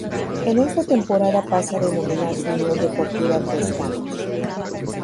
En esta temporada pasa a denominarse Unión Deportiva Tres Cantos.